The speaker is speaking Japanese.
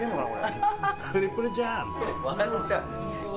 笑っちゃう。